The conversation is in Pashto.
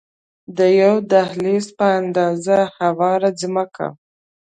د یوه دهلیز په اندازه هواره ځمکه ده.